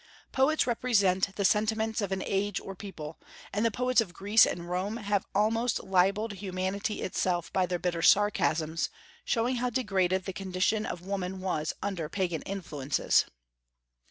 Poets represent the sentiments of an age or people; and the poets of Greece and Rome have almost libelled humanity itself by their bitter sarcasms, showing how degraded the condition of woman was under Pagan influences.